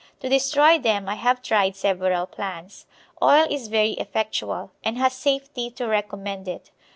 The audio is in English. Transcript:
To destroy them I have tried several plans. Oil is very effectual, and has safety to recommend it.